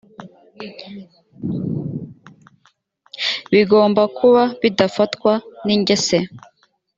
bigomba kuba bidafatwa n ingese